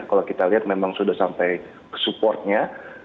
kalau kita lihat memang sudah sampai ke supportnya